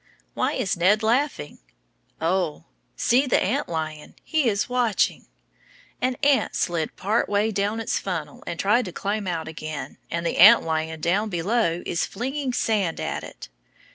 Why is Ned laughing? Oh, see the ant lion he is watching! An ant slid part way down its funnel and tried to climb out again, and the ant lion down below is flinging sand at it.